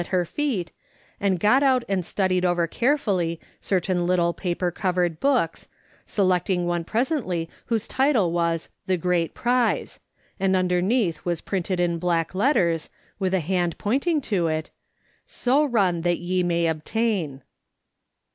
at her feet, and j^ot out and studied over carefully certain little paper covered books, selecting one jn esently whose title was The, Great Prhe, and under neath was printed in black letters, with a hand pointing to it, So Bun That Ye May Obtain.